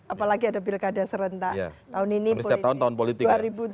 apalagi ada bilkada serentak